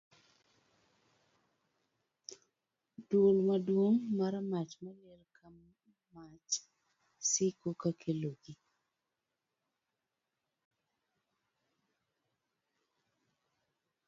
Dwol maduong' mar mach maliel ka mach siko ka kelogi.